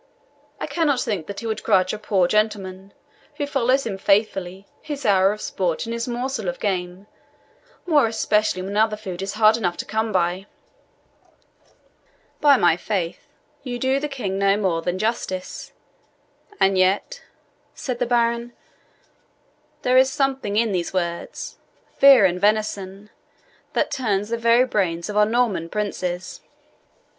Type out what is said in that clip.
I cannot think he would grudge a poor gentleman, who follows him faithfully, his hour of sport and his morsel of game, more especially when other food is hard enough to come by." "By my faith, you do the King no more than justice; and yet," said the baron, "there is something in these words, vert and venison, that turns the very brains of our Norman princes."